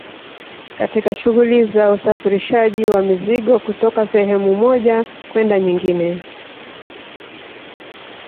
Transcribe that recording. katika shughuli za usafirishaji wa mizigo kutoka sehemu moja kwenda nyingine